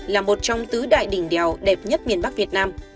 là một trong tứ đại đỉnh đèo đẹp nhất miền bắc việt nam